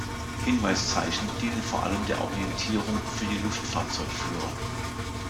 Hinweiszeichen dienen vor allem der Orientierung für die Luftfahrzeugführer.